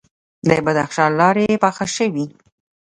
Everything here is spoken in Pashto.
د بدخشان لارې پاخه شوي؟